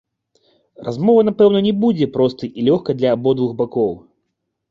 Размова напэўна не будзе простай і лёгкай для абодвух бакоў.